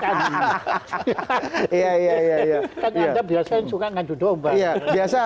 kan anda biasanya suka ngaju domba